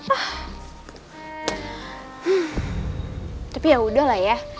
ah tapi yaudahlah ya